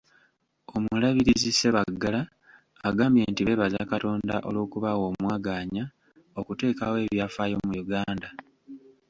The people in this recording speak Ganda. Omulabirizi Ssebaggala agambye nti beebaza Katonda olw'okubawa omwaganya okuteekawo ebyafaayo mu Uganda.